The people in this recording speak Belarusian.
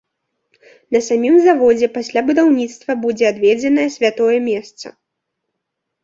На самім заводзе пасля будаўніцтва будзе адведзенае святое месца.